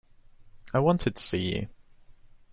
I wanted to see you.